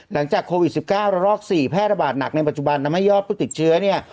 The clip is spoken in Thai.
หลังจากโควิด๑๙ระลอก๔แพร่ระบาดหนักในปัจจุบันทำให้ยอดผู้ติดเชื้อเนี่ย